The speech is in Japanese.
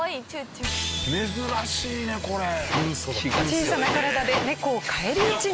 小さな体で猫を返り討ちに。